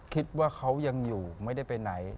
คิดว่าเขายังอยู่ไม่ได้ไปไหน